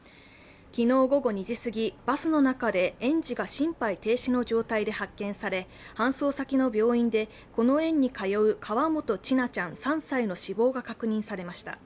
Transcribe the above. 昨日午後２時すぎ、バスの中で園児が心肺停止の状態で発見され搬送先の病院でこの園に通う河本千奈ちゃん３歳の死亡が確認されました。